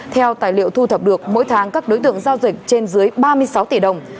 theo tài liệu thu thập được mỗi tháng các đối tượng giao dịch trên dưới ba mươi sáu tỷ đồng